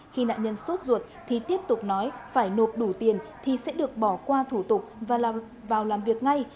khi nạn nhân suốt ruột thì tiếp tục nói phải nộp đủ tiền thì sẽ được bỏ qua thủ tục và vào làm việc ngay